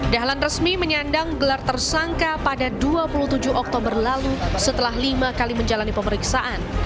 dahlan resmi menyandang gelar tersangka pada dua puluh tujuh oktober lalu setelah lima kali menjalani pemeriksaan